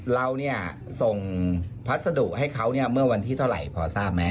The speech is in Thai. เราเนี่ยส่งพัสดุให้เขาเนี่ยเมื่อวันที่เท่าไหร่พอทราบไหม